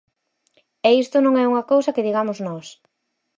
E isto non é unha cousa que digamos nós.